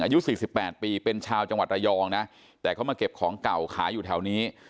อายุ๔๘ปีเป็นชาวจังหวัดระยองนะแต่เขามาเก็บของเก่าขายอยู่แถวนี้